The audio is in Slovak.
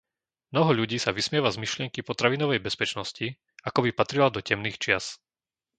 Mnoho ľudí sa vysmieva z myšlienky potravinovej bezpečnosti, akoby patrila do temných čias.